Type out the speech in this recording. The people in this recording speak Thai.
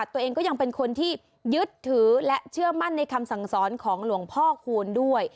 ตัวเองก็ยังเป็นคนที่ยึดถือและเชื่อมั่นในคำสั่งสอนของหลวงพ่อคูณด้วย